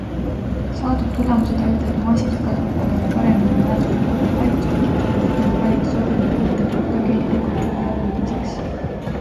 Saadud tulemused aitavad maasikakasvatajal paremini määrata põllul haigustekitajaid ning valida sobivaid võtteid patogeenide kontrolli all hoidmiseks.